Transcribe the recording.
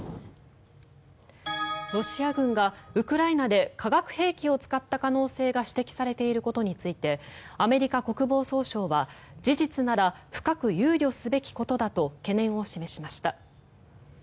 ロシア軍がウクライナで化学兵器を使った可能性が指摘されていることについてアメリカ国防総省は事実なら深く憂慮すべきことだと懸念を示しました。